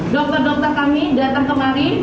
dokter dokter kami datang kemari